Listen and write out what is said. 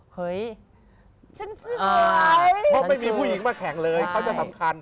เพราะไม่มีผู้หญิงมาแข็งเลยเขาจะสำคัญ